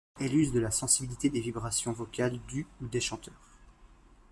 Elle use de la sensibilité des vibrations vocales du ou des chanteurs.